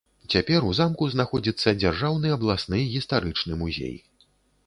Цяпер у замку знаходзіцца дзяржаўны абласны гістарычны музей.